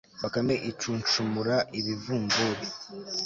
bakame icunshumura ibivumvuli